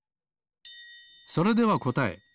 それではこたえ。